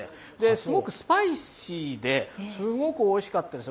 すごくスパイシーですごくおいしかったです。